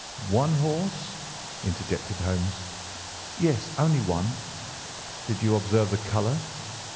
"One horse?" interjected Holmes. "Yes, only one." "Did you observe the colour?"